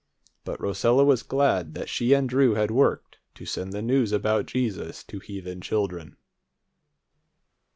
But Rosella was glad that she and Drew had worked to send the news about Jesus to heathen children.